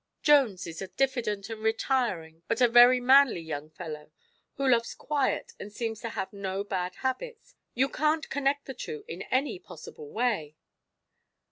Jones is a diffident and retiring, but a very manly young fellow, who loves quiet and seems to have no bad habits. You can't connect the two in any possible way."